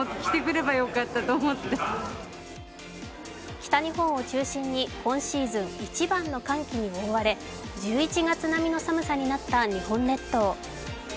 北日本を中心に今シーズン一番の寒気に覆われ１１月並みの寒さになった日本列島。